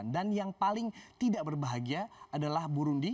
yang paling tidak berbahagia adalah burundi